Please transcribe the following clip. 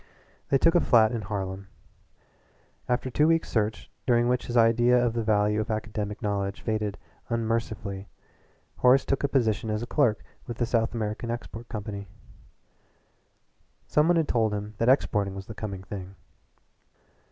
They took a flat in Harlem. After two weeks' search, during which his idea of the value of academic knowledge faded unmercifully, Horace took a position as clerk with a South American export company some one had told him that exporting was the coming thing.